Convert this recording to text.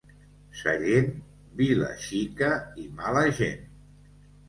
Sallent, vila xica i mala gent.